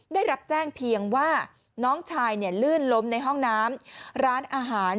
ได้รับแจ้งเพียงว่าน้องชายเนี่ยลื่นล้มในห้องน้ำร้านอาหาร